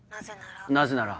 なぜなら。